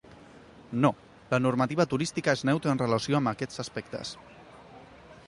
No, la normativa turística és neutre en relació amb aquests aspectes.